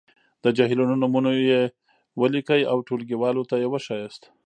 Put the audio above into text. د جهیلونو نومونويې ولیکئ او ټولګیوالو ته یې وښایاست.